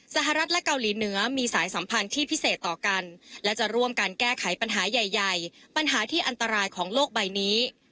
สหรัฐและเกาหลีเหนือมีสายสัมพันธ์ที่พิเศษต่อกันและจะร่วมกันแก้ไขปัญหาใหญ่ใหญ่ปัญหาที่อันตรายของโลกใบนี้